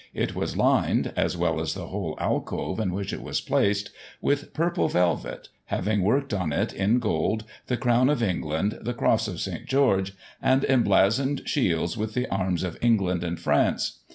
It was lined (as well as the whole alcove in which it was placed) with purple velvet, having worked on it, in gold, the Crown of England, the Cross of St. George, and emblazoned shields with the Arms of England and France.